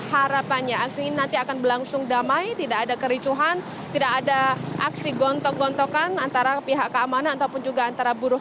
harapannya aksi ini nanti akan berlangsung damai tidak ada kericuhan tidak ada aksi gontok gontokan antara pihak keamanan ataupun juga antara buruh